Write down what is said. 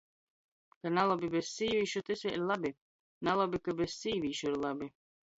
Ka nalobi bez sīvīšu, tys vēļ labi. Nalobi, ka bez sīvīšu ir labi.